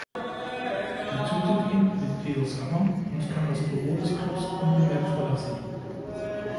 Sie tötet ihn mit Leos Hammer und kann das Büro des Clubs unbemerkt verlassen.